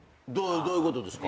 どういうことですか？